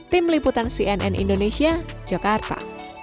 tim liputan cnn indonesia jakarta